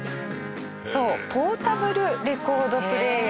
そうポータブルレコードプレーヤー。